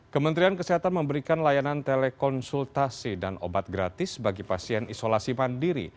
kementerian kesehatan memberikan layanan telekonsultasi dan obat gratis bagi pasien isolasi mandiri